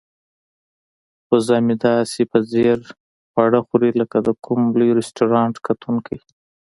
وزه مې داسې په ځیر خواړه خوري لکه د کوم لوی رستورانت کتونکی.